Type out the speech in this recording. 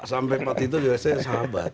sampai waktu itu biasanya sahabat